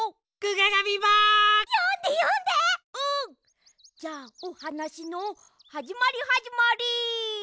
じゃあおはなしのはじまりはじまり。